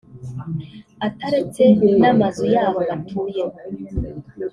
ataretse n’amazu yabo batuyemo